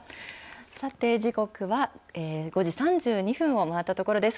さて、時刻は５時３２分を回ったところです。